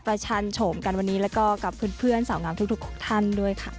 ชันโฉมกันวันนี้แล้วก็กับเพื่อนสาวงามทุกท่านด้วยค่ะ